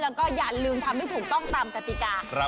เราก็อย่าลืมทำไม่ถูกต้องตามตะติกา